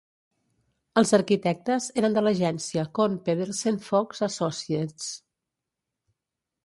Els arquitectes eren de l'agència Kohn Pedersen Fox Associates.